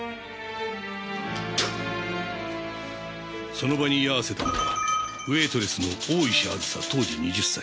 その場に居合わせたのはウエートレスの大石あずさ当時２０歳。